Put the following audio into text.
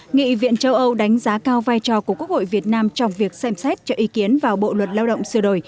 nghị viện châu âu đánh giá cao vai trò của quốc hội việt nam trong việc xem xét cho ý kiến vào bộ luật lao động sửa đổi